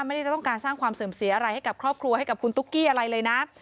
ไม่ได้จะต้องการสร้างความเสื่อมเสียอะไรให้กับครอบครัวให้กับคุณตุ๊กกี้อะไรเลยนะ